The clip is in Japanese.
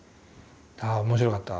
ああ面白かった。